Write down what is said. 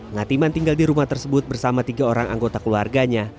ngatiman tinggal di rumah tersebut bersama tiga orang anggota keluarganya